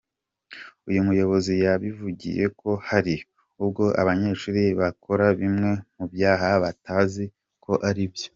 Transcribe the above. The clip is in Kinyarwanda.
Uyu muyobozi yabivugiye ko hari ubwo abanyeshuri bakora bimwe mu byaha batazi ko aribyo.